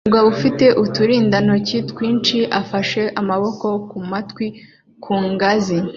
Umugabo ufite uturindantoki twinshi afashe amaboko ku matwi ku ngazi